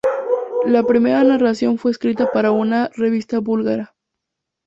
La primera narración fue escrita para una revista búlgara.